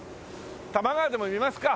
多摩川でも見ますか！